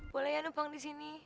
boleh ya numpang disini